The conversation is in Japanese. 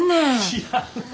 知らんわ。